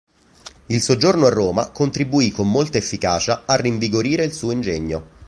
Il soggiorno a Roma contribuì con molta efficacia a rinvigorire il suo ingegno.